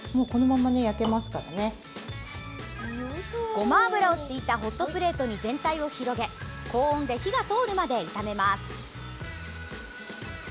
ごま油を敷いたホットプレートに全体を広げ高温で火が通るまで炒めます。